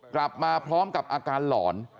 กลับมาพร้อมกับอาการหลอน